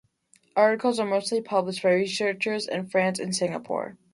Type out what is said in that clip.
Articles are mostly published by researchers in France and Singapore.